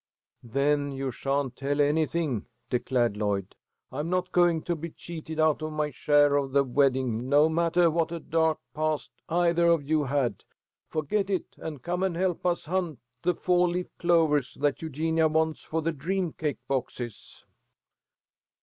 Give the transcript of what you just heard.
"Then you sha'n't tell anything," declared Lloyd. "I'm not going to be cheated out of my share of the wedding, no mattah what a dahk past eithah of you had. Forget it, and come and help us hunt the foah leaf clovahs that Eugenia wants for the dream cake boxes."